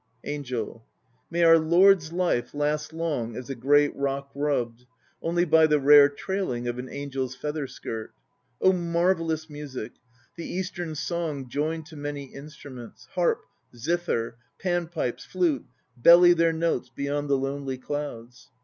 ANGEL. May our Lord's life , Last long as a great rock rubbed Only by the rare trailing Of an angel's feather skirt. 3 Oh, marvellous music! The Eastern song joined To many instruments; Harp, zither, pan pipes, flute, Belly their notes beyond the lonely clouds.